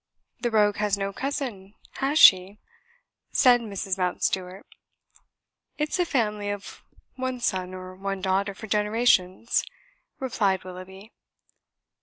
"The rogue has no cousin, has she?" said Mrs. Mountstuart. "It's a family of one son or one daughter for generations," replied Willoughby.